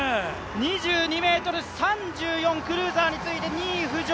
２２ｍ３４、クルーザーに次いで２位浮上。